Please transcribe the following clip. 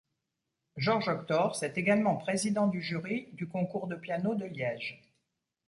Georges Octors est également président du jury du Concours de piano de Liège.